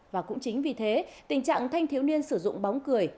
và cũng chính vì thế tình trạng thanh thiếu niên sử dụng bóng cười